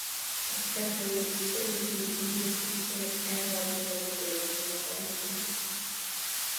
Consequently, Citytv continued to expand its analogue coverage in the following years.